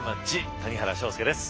谷原章介です。